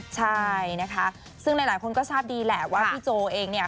ใช่นะคะซึ่งหลายคนก็ทราบดีแหละว่าพี่โจเองเนี่ย